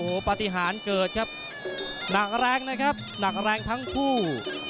โอ้โหปฏิหารเกิดครับหนักแรงนะครับหนักแรงทั้งคู่